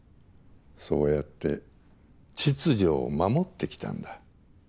そうやって秩序を守ってきたんだ。